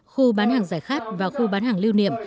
khu bán hàng giải khát và khu bán hàng lưu niệm